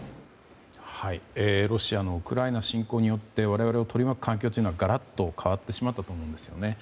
ロシアのウクライナ侵攻によって我々を取り巻く環境はガラッと変わってしまったと思うんですね。